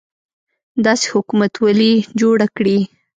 داسې حکومتولي جوړه کړي.